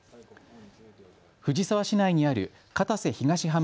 藤沢市内にある片瀬東浜